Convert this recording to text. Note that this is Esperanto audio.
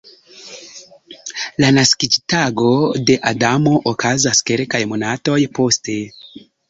La naskiĝtago de Adamo okazas kelkaj monatoj poste.